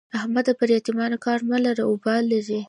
د احمد پر يتيمانو کار مه لره؛ اوبال لري.